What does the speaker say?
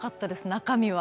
中身は。